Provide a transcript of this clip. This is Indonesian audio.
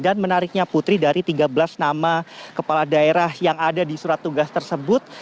dan menariknya putri dari tiga belas nama kepala daerah yang ada di surat tugas tersebut